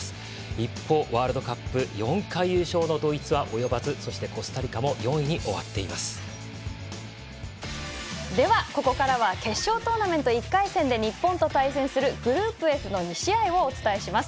一方、ワールドカップ４回優勝のドイツは及ばずでは、ここからは決勝トーナメント１回戦で日本とする対戦するグループＦの２試合をお伝えします。